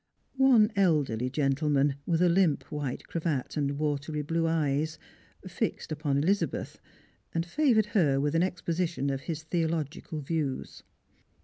One elderly gentleman, with a limp white cravat and watery blue eyes, fixed upon EHzabeth, and favoured her with an exposition of his theological views.